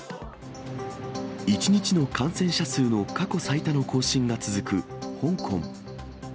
１日の感染者数の過去最多の更新が続く香港。